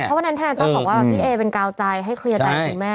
เพราะวันนั้นทนายตั้มบอกว่าพี่เอเป็นกาวใจให้เคลียร์ใจคุณแม่